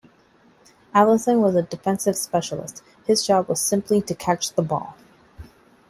Allison was a defensive specialist, his job was simply to catch the ball.